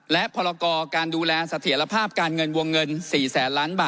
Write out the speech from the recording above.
และพรกรการดูแลเสถียรภาพการเงินวงเงิน๔แสนล้านบาท